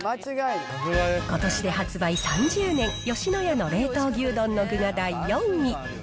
ことしで発売３０年、吉野家の冷凍牛丼の具が第４位。